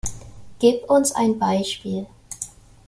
Gib uns ein Beispiel!